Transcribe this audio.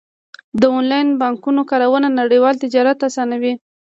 د انلاین بانکونو کارونه نړیوال تجارت اسانوي.